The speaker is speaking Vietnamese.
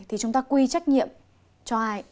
thì chúng ta quy trách nhiệm cho ai